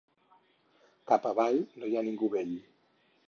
Cap avall no hi ha ningú vell.